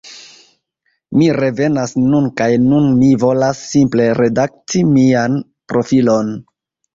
Mi revenas nun kaj nun mi volas simple redakti mian profilon